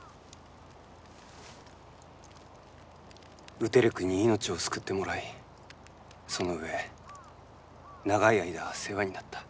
ウテルクに命を救ってもらいそのうえ長い間世話になった。